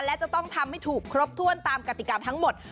และจะต้องทำให้ถูกครบถ้วนตามกติกาทั้งหมด